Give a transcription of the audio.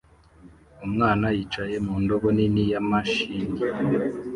Umwana yicaye mu ndobo nini ya mashini